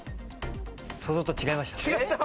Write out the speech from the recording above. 想像と違いました。